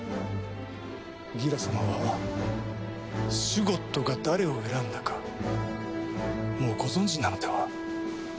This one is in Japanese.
ギラ様はシュゴッドが誰を選んだかもうご存じなのでは？